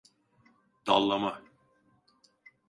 Dallama!